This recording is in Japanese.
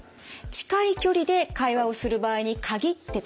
近い距離で会話をする場合に限ってとされています。